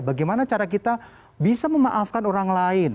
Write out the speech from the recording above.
bagaimana cara kita bisa memaafkan orang lain